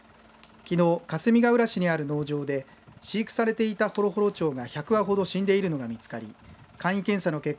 きのう、かすみがうら市にある農場で飼育されていたホロホロ鳥が１００羽ほど死んでいるのが見つかり簡易検査の結果